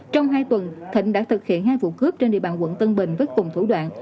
trong hai tuần thịnh đã thực hiện hai vụ cướp trên địa bàn quận tân bình với cùng thủ đoạn